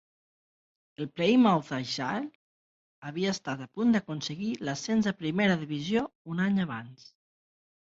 El Plymouth Argyle havia estat a punt d'aconseguir l'ascens a la Primera Divisió un any abans.